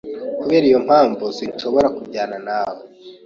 Kubera iyo mpamvu, sinshobora kujyana nawe.